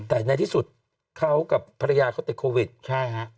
แต่ในที่สุดเขากับภรรยาเขาติดโควิดใช่ฮะ